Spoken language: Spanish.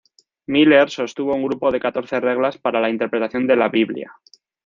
Miller sostuvo un grupo de catorce reglas para la interpretación de la "Biblia".